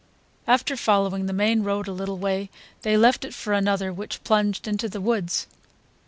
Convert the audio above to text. After following the main road a little way they left it for another which plunged into the woods.